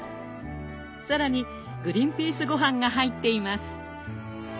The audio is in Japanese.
更にグリンピースごはんが入っています。